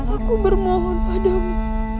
aku bermohon padamu